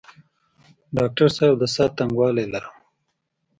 ډاکټر صاحب د ساه تنګوالی لرم؟